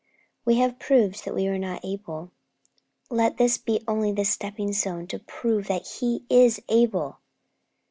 We have proved that we were not able. Let this be only the stepping stone to proving that He is able!